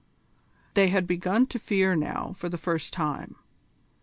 They had begun to fear now for the first time.